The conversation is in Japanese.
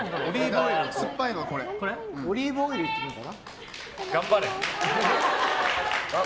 オリーブオイルいってみようかな。